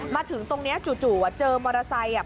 มาถึงตรงนี้จู่เจอมอเตอร์ไซค์อ่ะ